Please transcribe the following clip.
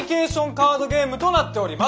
カードゲームとなっております。